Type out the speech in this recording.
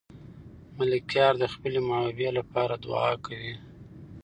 ملکیار د خپلې محبوبې لپاره دعا کوي.